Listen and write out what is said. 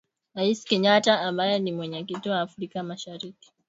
Rais Kenyatta ambaye ni Mwenyekiti wa Afrika Mashariki